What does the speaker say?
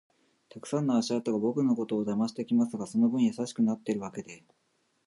たくさんの足跡が僕のことを邪魔してきますが、その分優しくなってるわけで